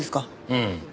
うん。